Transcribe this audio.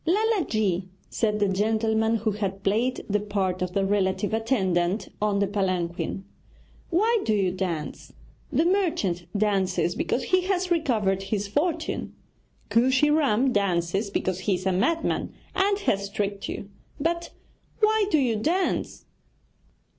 'Lala ji,' said the gentleman who had played the part of the relative attendant on the palanquin, 'why do you dance? The merchant dances because he has recovered his fortune; Kooshy Ram dances because he is a madman and has tricked you; but why do you dance?'